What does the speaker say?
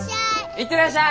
行ってらっしゃい！